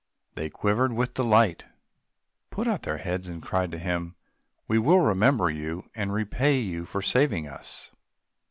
They quivered with delight, put out their heads, and cried to him, "We will remember you and repay you for saving us!"